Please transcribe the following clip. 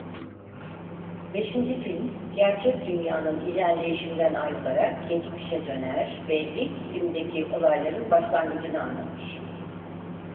Beşinci film gerçek dünyanın ilerleyişinden ayrılarak geçmişe döner ve ilk filmdeki olayların başlangıcını anlatır.